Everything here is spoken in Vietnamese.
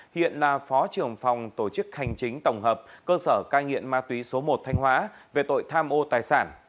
hiện là phó trưởng phòng tổ chức hành chính tổng hợp cơ sở cai nghiện ma túy số một thanh hóa về tội tham ô tài sản